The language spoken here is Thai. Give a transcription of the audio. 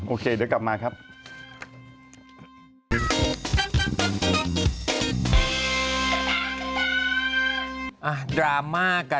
โอเคเดี๋ยวกลับมาครับ